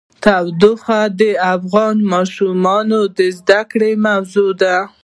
تودوخه د افغان ماشومانو د زده کړې موضوع ده.